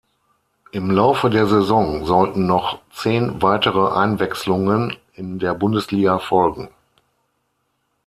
Im Laufe der Saison sollten noch zehn weitere Einwechslungen in der Bundesliga folgen.